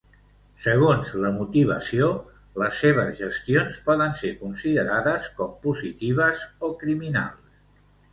Segons la motivació, les seves gestions poden ser considerades com positives o criminals.